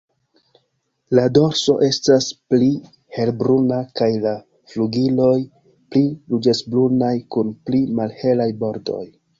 La dorso estas pli helbruna kaj la flugiloj pli ruĝecbrunaj kun pli malhelaj bordoj.